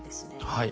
はい。